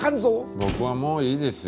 僕はもういいですよ。